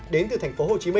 đến từ tp hcm